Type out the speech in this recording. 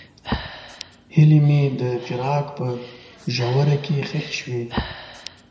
هیلې مې د فراق په ژوره کې ښخې شوې.